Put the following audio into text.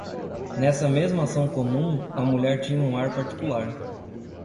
Nessa mesma ação comum, a mulher tinha um ar particular.